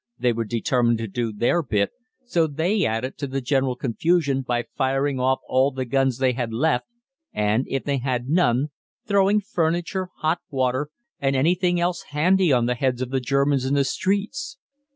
They were determined to do their bit, so they added to the general confusion by firing off all the guns they had left, and, if they had none, throwing furniture, hot water, and anything else handy on the heads of the Germans in the streets.